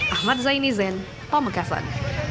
ahmad zaini zen pamekasan